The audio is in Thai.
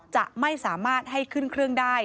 จะไม่สามารถให้ขึ้นเครื่องได้